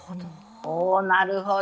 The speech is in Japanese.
なるほど。